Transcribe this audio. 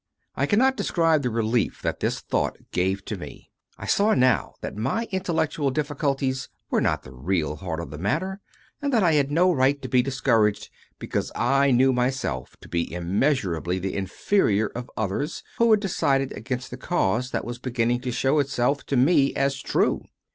I cannot describe the relief that this thought gave to me. I saw now that my intellectual difficulties were not the real heart of the matter, and that I had no right to be discouraged because I knew myself to be immeasurably the inferior of others who had decided against the cause that was beginning to show itself to me as true.